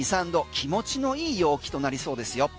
気持ちの良い陽気となりそうですよ。